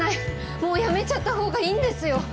もう辞めちゃった方がいいんですよ！